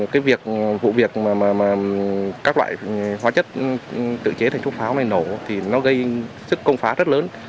cái việc vụ việc mà các loại hóa chất tự chế thành thuốc pháo này nổ thì nó gây sức công phá rất lớn